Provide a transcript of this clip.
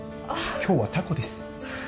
今日はタコです。